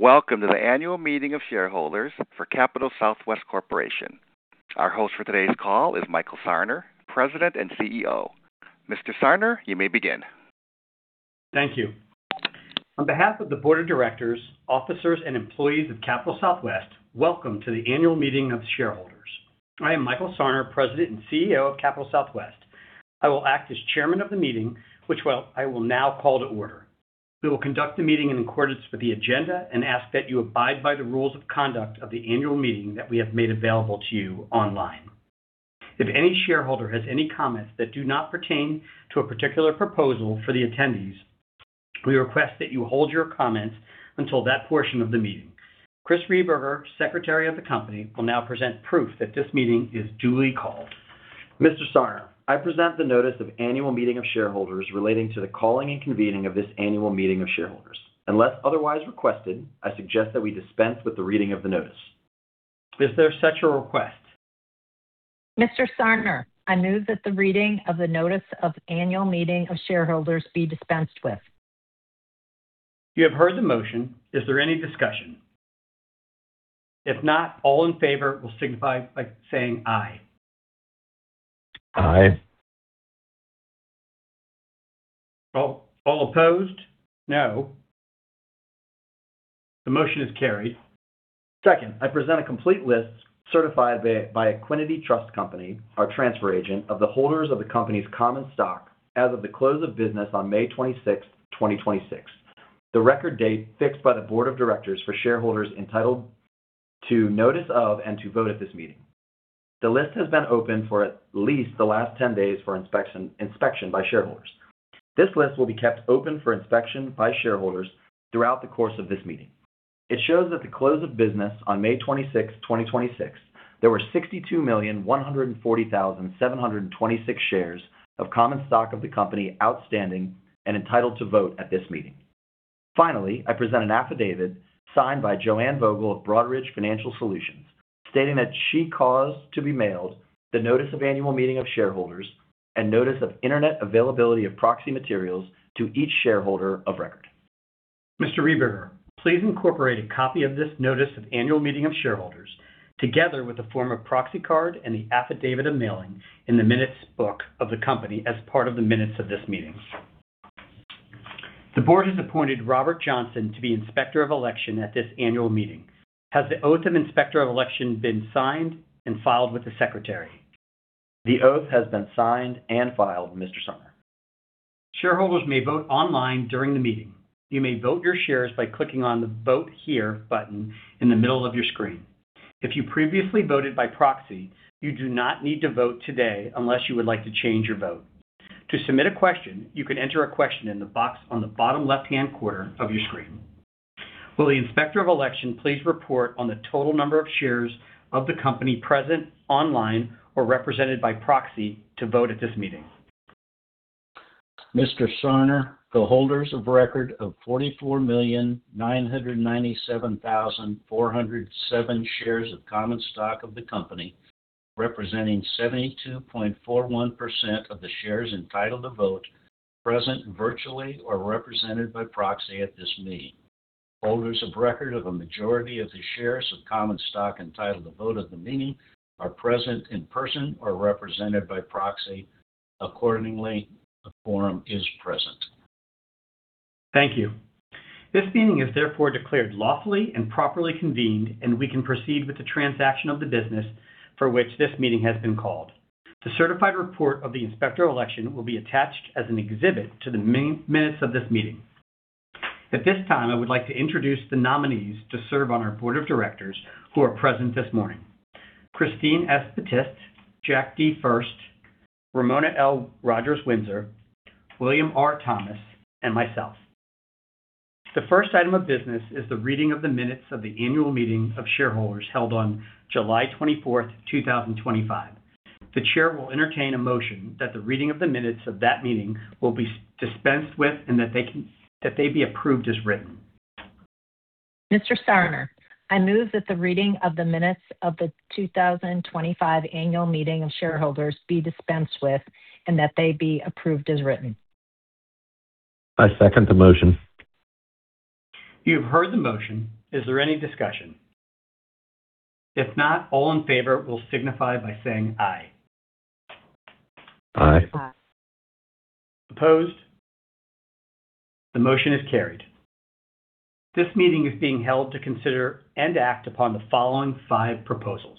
Welcome to the annual meeting of shareholders for Capital Southwest Corporation. Our host for today's call is Michael Sarner, President and CEO. Mr. Sarner, you may begin. Thank you. On behalf of the board of directors, officers, and employees of Capital Southwest, welcome to the annual meeting of shareholders. I am Michael Sarner, President and CEO of Capital Southwest. I will act as chairman of the meeting, which I will now call to order. We will conduct the meeting in accordance with the agenda and ask that you abide by the rules of conduct of the annual meeting that we have made available to you online. If any shareholder has any comments that do not pertain to a particular proposal for the attendees, we request that you hold your comments until that portion of the meeting. Chris Rehberger, secretary of the company, will now present proof that this meeting is duly called. Mr. Sarner, I present the notice of annual meeting of shareholders relating to the calling and convening of this annual meeting of shareholders. Unless otherwise requested, I suggest that we dispense with the reading of the notice. Is there such a request? Mr. Sarner, I move that the reading of the notice of annual meeting of shareholders be dispensed with. You have heard the motion. Is there any discussion? If not, all in favor will signify by saying aye. Aye. All opposed, no. The motion is carried. Second, I present a complete list certified by Equiniti Trust Company, our transfer agent of the holders of the company's common stock as of the close of business on May 26th, 2026, the record date fixed by the board of directors for shareholders entitled to notice of, and to vote at this meeting. The list has been open for at least the last 10 days for inspection by shareholders. This list will be kept open for inspection by shareholders throughout the course of this meeting. It shows that the close of business on May 26th, 2026, there were 62,140,726 shares of common stock of the company outstanding and entitled to vote at this meeting. Finally, I present an affidavit signed by Joanne Vogel of Broadridge Financial Solutions, stating that she caused to be mailed the notice of annual meeting of shareholders and notice of Internet availability of proxy materials to each shareholder of record. Mr. Rehberger, please incorporate a copy of this notice of annual meeting of shareholders, together with a form of proxy card and the affidavit of mailing in the minutes book of the company as part of the minutes of this meeting. The board has appointed Robert Johnson to be Inspector of Election at this annual meeting. Has the oath of Inspector of Election been signed and filed with the secretary? The oath has been signed and filed, Mr. Sarner. Shareholders may vote online during the meeting. You may vote your shares by clicking on the Vote Here button in the middle of your screen. If you previously voted by proxy, you do not need to vote today unless you would like to change your vote. To submit a question, you can enter a question in the box on the bottom left-hand corner of your screen. Will the Inspector of Election please report on the total number of shares of the company present, online, or represented by proxy to vote at this meeting? Mr. Sarner, the holders of record of 44,997,407 shares of common stock of the company, representing 72.41% of the shares entitled to vote, present virtually or represented by proxy at this meeting. Holders of record of a majority of the shares of common stock entitled to vote at the meeting are present in person or represented by proxy. Accordingly, the quorum is present. Thank you. This meeting is therefore declared lawfully and properly convened, we can proceed with the transaction of the business for which this meeting has been called. The certified report of the Inspector of Election will be attached as an exhibit to the minutes of this meeting. At this time, I would like to introduce the nominees to serve on our board of directors who are present this morning. Christine S. Battist, Jack D. Furst, Ramona L. Rogers-Windsor, William R. Thomas, and myself. The first item of business is the reading of the minutes of the annual meeting of shareholders held on July 24th, 2025. The chair will entertain a motion that the reading of the minutes of that meeting will be dispensed with, that they be approved as written. Mr. Sarner, I move that the reading of the 2025 annual meeting of shareholders be dispensed with that they be approved as written. I second the motion. You have heard the motion. Is there any discussion? If not, all in favor will signify by saying aye. Aye. Aye. Opposed? The motion is carried. This meeting is being held to consider and act upon the following five proposals.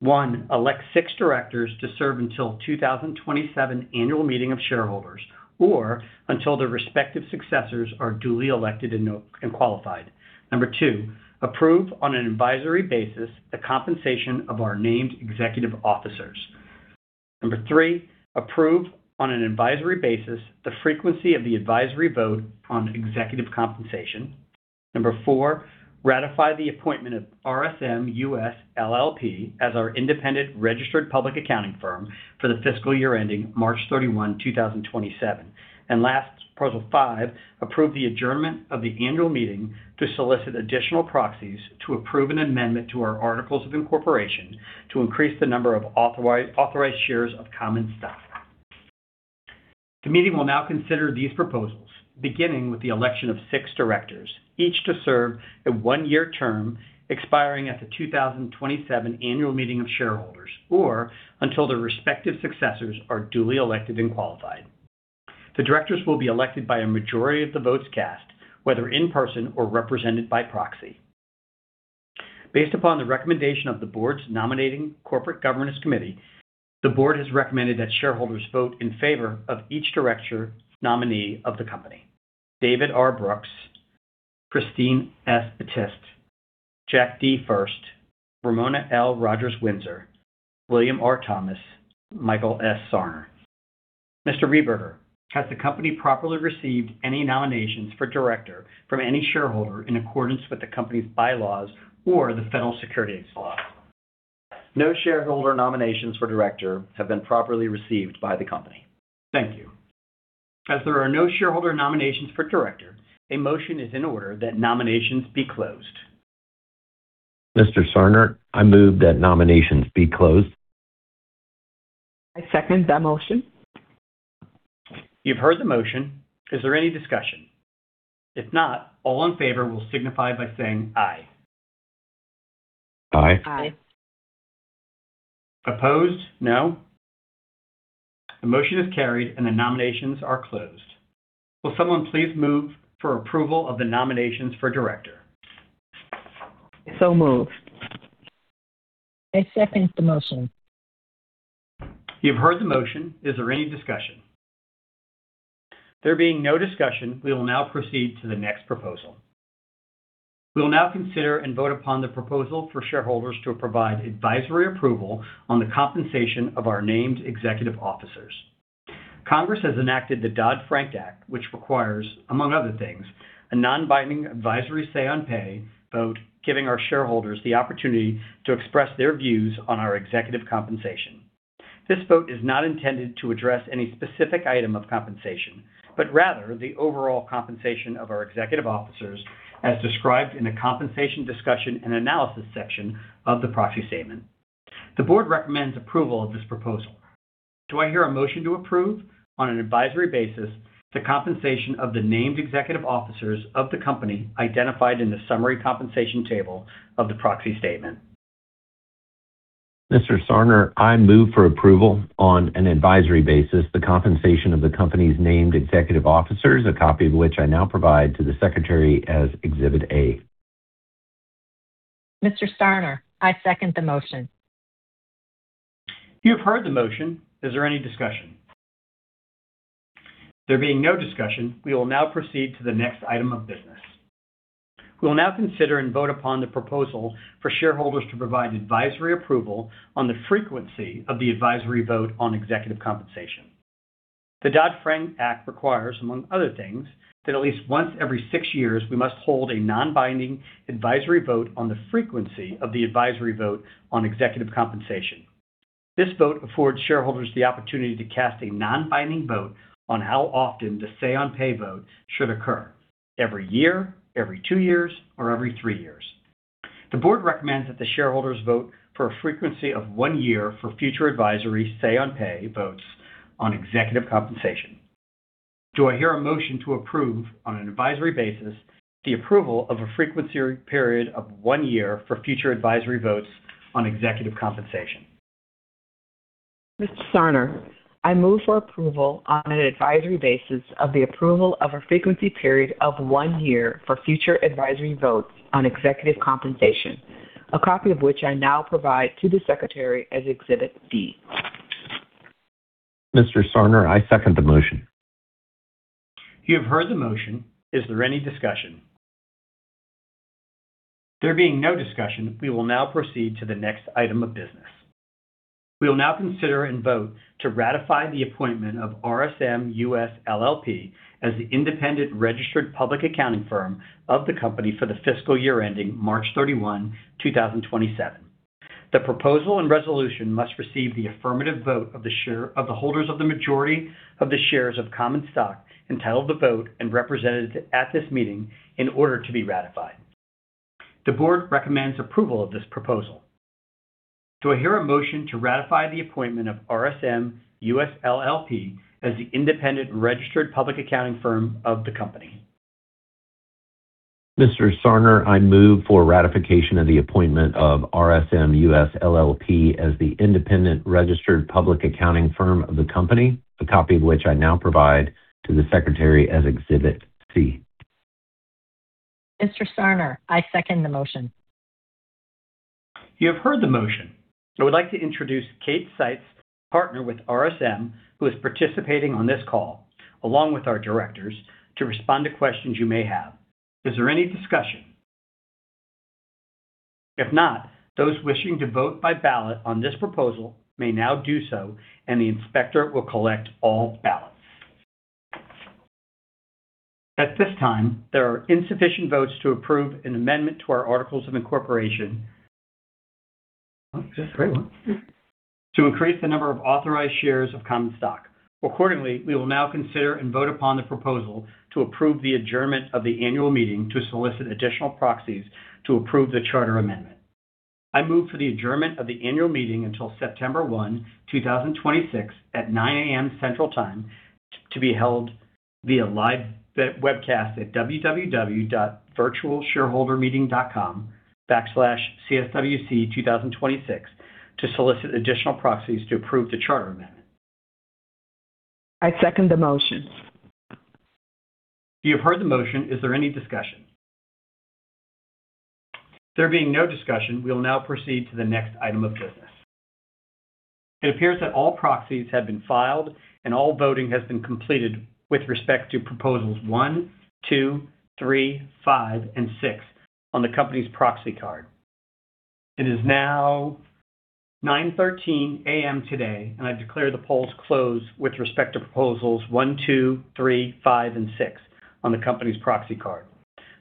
One, elect six directors to serve until 2027 annual meeting of shareholders, or until their respective successors are duly elected and qualified. Number to, approve on an advisory basis the compensation of our named executive officers. Number three, approve on an advisory basis the frequency of the advisory vote on executive compensation. Number four, ratify the appointment of RSM US LLP as our independent registered public accounting firm for the fiscal year ending March 31st, 2027. Last, proposal five, approve the adjournment of the annual meeting to solicit additional proxies to approve an amendment to our articles of incorporation to increase the number of authorized shares of common stock. The meeting will now consider these proposals, beginning with the election of six directors, each to serve a one-year term expiring at the 2027 annual meeting of shareholders, or until their respective successors are duly elected and qualified. The directors will be elected by a majority of the votes cast, whether in person or represented by proxy. Based upon the recommendation of the board's nominating corporate governance committee, the board has recommended that shareholders vote in favor of each director nominee of the company, David R. Brooks, Christine S. Battist, Jack D. Furst, Ramona L. Rogers-Windsor, William R. Thomas, Michael S. Sarner. Mr. Rehberger, has the company properly received any nominations for director from any shareholder in accordance with the company's bylaws or the federal securities law? No shareholder nominations for director have been properly received by the company. Thank you. As there are no shareholder nominations for director, a motion is in order that nominations be closed. Mr. Sarner, I move that nominations be closed. I second that motion. You've heard the motion. Is there any discussion? If not, all in favor will signify by saying aye. Aye. Aye. Opposed, no. The motion is carried, and the nominations are closed. Will someone please move for approval of the nominations for director? Moved. I second the motion. You've heard the motion. Is there any discussion? There being no discussion, we will now proceed to the next proposal. We will now consider and vote upon the proposal for shareholders to provide advisory approval on the compensation of our named executive officers. Congress has enacted the Dodd-Frank Act, which requires, among other things, a non-binding advisory say on pay vote, giving our shareholders the opportunity to express their views on our executive compensation. This vote is not intended to address any specific item of compensation, but rather the overall compensation of our executive officers, as described in the compensation discussion and analysis section of the proxy statement. The board recommends approval of this proposal. Do I hear a motion to approve on an advisory basis the compensation of the named executive officers of the company identified in the summary compensation table of the proxy statement? Mr. Sarner, I move for approval on an advisory basis the compensation of the company's named executive officers, a copy of which I now provide to the secretary as Exhibit A. Mr. Sarner, I second the motion. You have heard the motion. Is there any discussion? There being no discussion, we will now proceed to the next item of business. We will now consider and vote upon the proposal for shareholders to provide advisory approval on the frequency of the advisory vote on executive compensation. The Dodd-Frank Act requires, among other things, that at least once every six years, we must hold a non-binding advisory vote on the frequency of the advisory vote on executive compensation. This vote affords shareholders the opportunity to cast a non-binding vote on how often the say on pay vote should occur: every year, every two years, or every three years. The board recommends that the shareholders vote for a frequency of one year for future advisory say on pay votes on executive compensation. Do I hear a motion to approve on an advisory basis the approval of a frequency period of one year for future advisory votes on executive compensation? Mr. Sarner, I move for approval on an advisory basis of the approval of a frequency period of one year for future advisory votes on executive compensation, a copy of which I now provide to the secretary as Exhibit D. Mr. Sarner, I second the motion. You have heard the motion. Is there any discussion? There being no discussion, we will now proceed to the next item of business. We will now consider and vote to ratify the appointment of RSM US LLP as the independent registered public accounting firm of the company for the fiscal year ending March 31, 2027. The proposal and resolution must receive the affirmative vote of the holders of the majority of the shares of common stock entitled to vote and represented at this meeting in order to be ratified. The board recommends approval of this proposal. Do I hear a motion to ratify the appointment of RSM US LLP as the independent registered public accounting firm of the company? Mr. Sarner, I move for ratification of the appointment of RSM US LLP as the independent registered public accounting firm of the company, a copy of which I now provide to the secretary as Exhibit C. Mr. Sarner, I second the motion. You have heard the motion. I would like to introduce Kate Seitz, partner with RSM, who is participating on this call along with our directors to respond to questions you may have. Is there any discussion? If not, those wishing to vote by ballot on this proposal may now do so. The inspector will collect all ballots. At this time, there are insufficient votes to approve an amendment to our articles of incorporation. Oh, that's a great one. to increase the number of authorized shares of common stock. Accordingly, we will now consider and vote upon the proposal to approve the adjournment of the annual meeting to solicit additional proxies to approve the charter amendment. I move for the adjournment of the annual meeting until September 1st, 2026 at 9:00 A.M. Central Time, to be held via live webcast at www.virtualshareholdermeeting.com/cswc2026 to solicit additional proxies to approve the charter amendment. I second the motion. You have heard the motion. Is there any discussion? There being no discussion, we will now proceed to the next item of business. It appears that all proxies have been filed and all voting has been completed with respect to proposals one, two, three, five, and six on the company's proxy card. It is now 9:13 A.M. today. I declare the polls closed with respect to proposals one, two, three, five, and six on the company's proxy card.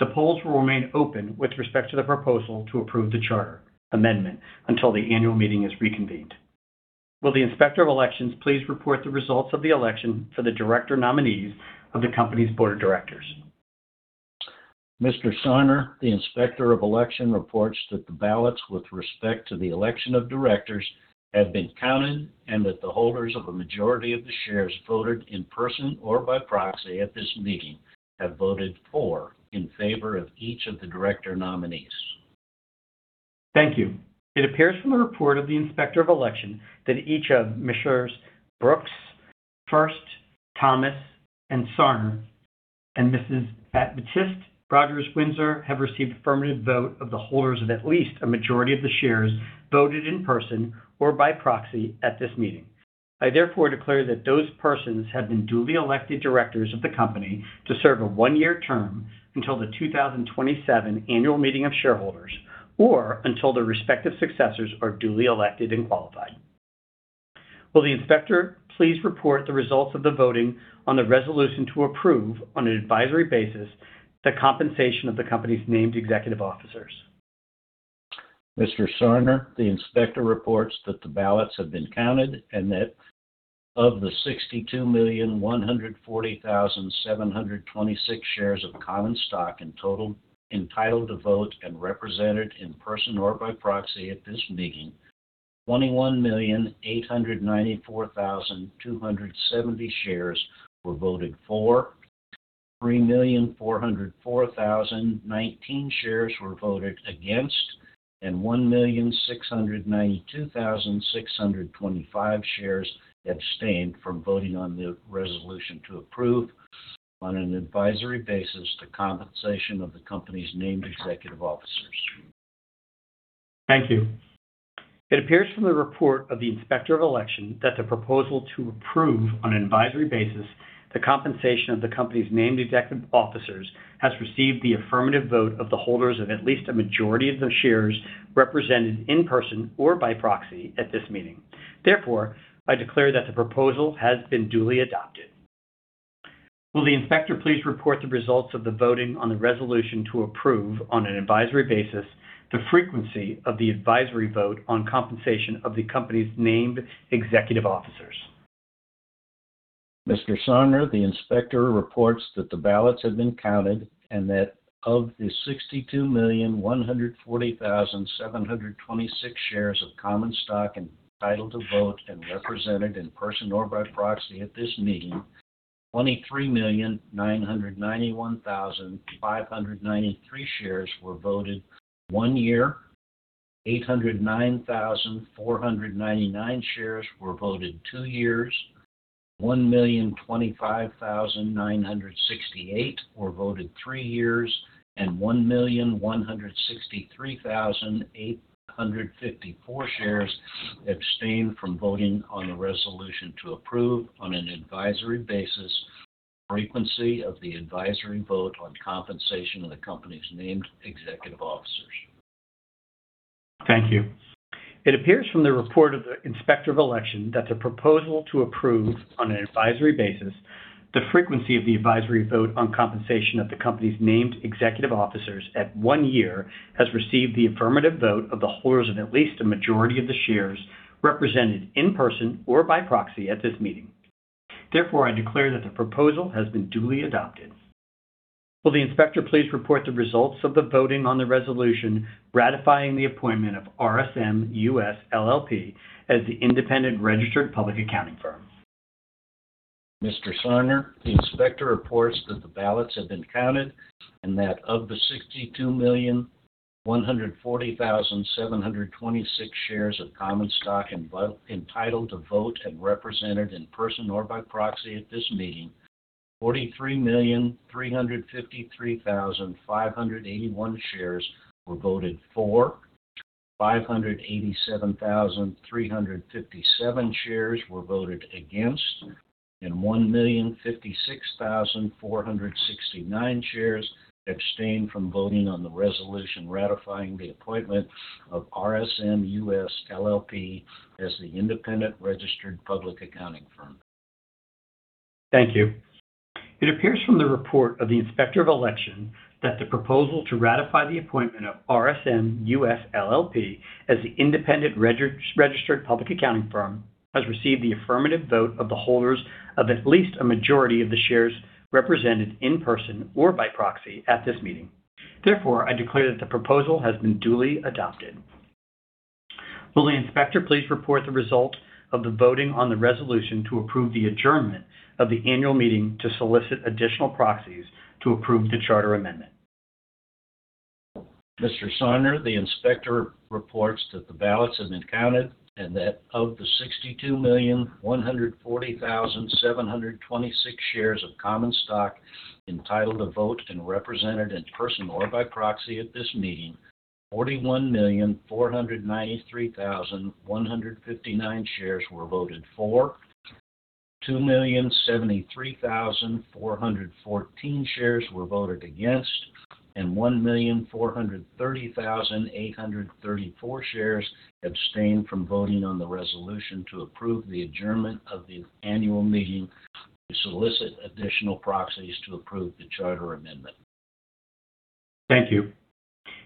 The polls will remain open with respect to the proposal to approve the charter amendment until the annual meeting is reconvened. Will the Inspector of Election please report the results of the election for the director nominees of the company's board of directors? Mr. Sarner, the Inspector of Election, reports that the ballots with respect to the election of directors have been counted, that the holders of a majority of the shares voted in person or by proxy at this meeting have voted for in favor of each of the director nominees. Thank you. It appears from the report of the Inspector of Election that each of Messieurs Brooks, Furst, Thomas, and Sarner, and Mrs. Battist, Rogers Windsor, have received affirmative vote of the holders of at least a majority of the shares voted in person or by proxy at this meeting. I therefore declare that those persons have been duly elected directors of the company to serve a one-year term until the 2027 annual meeting of shareholders, or until their respective successors are duly elected and qualified. Will the inspector please report the results of the voting on the resolution to approve, on an advisory basis, the compensation of the company's named executive officers? Mr. Sarner, the inspector reports that the ballots have been counted, that of the 62,140,726 shares of common stock in total entitled to vote and represented in person or by proxy at this meeting, 21,894,270 shares were voted for, 3,404,019 shares were voted against, and 1,692,625 shares abstained from voting on the resolution to approve, on an advisory basis, the compensation of the company's named executive officers. Thank you. It appears from the report of the Inspector of Election that the proposal to approve, on an advisory basis, the compensation of the company's named executive officers has received the affirmative vote of the holders of at least a majority of the shares represented in person or by proxy at this meeting. Therefore, I declare that the proposal has been duly adopted. Will the inspector please report the results of the voting on the resolution to approve, on an advisory basis, the frequency of the advisory vote on compensation of the company's named executive officers? Mr. Sarner, the inspector reports that the ballots have been counted, that of the 62,140,726 shares of common stock entitled to vote and represented in person or by proxy at this meeting, 23,991,593 shares were voted one year, 809,499 shares were voted two years, 1,025,968 were voted three years, and 1,163,854 shares abstained from voting on the resolution to approve, on an advisory basis, the frequency of the advisory vote on compensation of the company's named executive officers. Thank you. It appears from the report of the Inspector of Election that the proposal to approve, on an advisory basis, the frequency of the advisory vote on compensation of the company's named executive officers at one year has received the affirmative vote of the holders of at least a majority of the shares represented in person or by proxy at this meeting. Therefore, I declare that the proposal has been duly adopted. Will the inspector please report the results of the voting on the resolution ratifying the appointment of RSM US LLP as the independent registered public accounting firm? Mr. Sarner, the inspector reports that the ballots have been counted, that of the 62,140,726 shares of common stock entitled to vote and represented in person or by proxy at this meeting, 43,353,581 shares were voted for, 587,357 shares were voted against, and 1,056,469 shares abstained from voting on the resolution ratifying the appointment of RSM US LLP as the independent registered public accounting firm. Thank you. It appears from the report of the Inspector of Election that the proposal to ratify the appointment of RSM US LLP as the independent registered public accounting firm has received the affirmative vote of the holders of at least a majority of the shares represented in person or by proxy at this meeting. Therefore, I declare that the proposal has been duly adopted. Will the inspector please report the result of the voting on the resolution to approve the adjournment of the annual meeting to solicit additional proxies to approve the charter amendment? Mr. Sarner, the inspector reports that the ballots have been counted, that of the 62,140,726 shares of common stock entitled to vote and represented in person or by proxy at this meeting, 41,493,159 shares were voted for, 2,073,414 shares were voted against, and 1,430,834 shares abstained from voting on the resolution to approve the adjournment of the annual meeting to solicit additional proxies to approve the charter amendment. Thank you.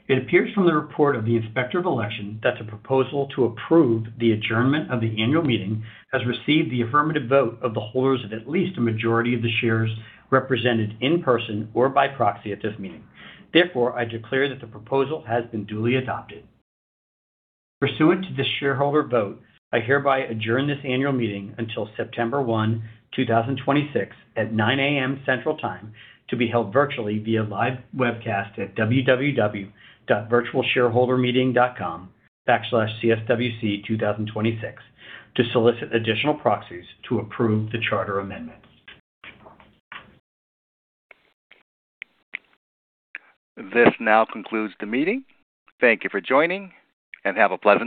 It appears from the report of the Inspector of Election that the proposal to approve the adjournment of the annual meeting has received the affirmative vote of the holders of at least a majority of the shares represented in person or by proxy at this meeting. Therefore, I declare that the proposal has been duly adopted. Pursuant to the shareholder vote, I hereby adjourn this annual meeting until September 1, 2026 at 9:00 A.M. Central Time, to be held virtually via live webcast at www.virtualshareholdermeeting.com/cswc2026 to solicit additional proxies to approve the charter amendment. This now concludes the meeting. Thank you for joining, and have a pleasant day.